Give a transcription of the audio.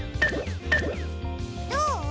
どう？